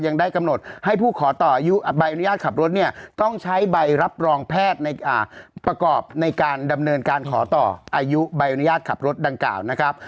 ยังได้กำหนดให้ผู้ขอต่ออายุใบอนุญาตขับรถเนี่ยต้องใช้ใบรับรองแพทย์ในประกอบในการดำเนินการขอต่ออายุใบอนุญาตขับรถดังกล่าวนะครับ